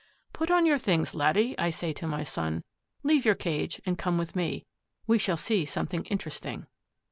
"Put on your things, laddie," I say to my son. "Leave your cage and come with me. We shall see something interesting."